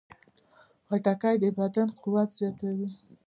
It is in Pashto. خټکی د بدن قوت زیاتوي.